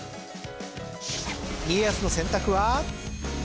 家康の選択は。